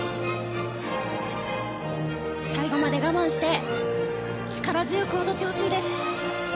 最後まで我慢して力強く踊ってほしいです。